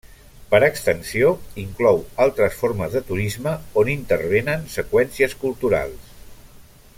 Per extensió, inclou altres formes de turisme on intervenen seqüències culturals.